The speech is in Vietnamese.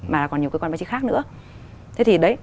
mà còn nhiều cơ quan báo chí khác nữa thế thì đấy